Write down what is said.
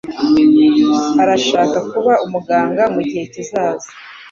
Arashaka kuba umuganga mugihe kizaza.